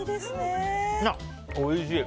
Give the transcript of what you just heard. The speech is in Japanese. おいしい。